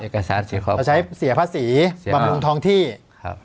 เอกสารสิทธิ์ครับเขาใช้เสียภาษีบำรุงทองที่ครับ